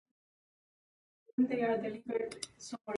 Bundesliga at this time.